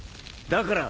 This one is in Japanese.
だから。